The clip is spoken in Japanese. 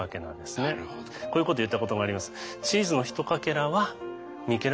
こういうこと言ったことがあります。